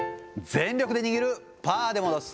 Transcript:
全力で握る、パーで戻す。